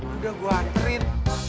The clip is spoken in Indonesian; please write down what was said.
udah gue anterin